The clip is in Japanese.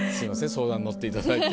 相談乗っていただいて。